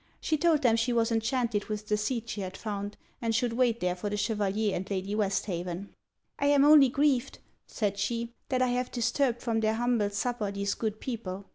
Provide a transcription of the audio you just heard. She told them she was enchanted with the seat she had found, and should wait there for the Chevalier and Lady Westhaven. 'I am only grieved,' said she, 'that I have disturbed from their humble supper these good people.'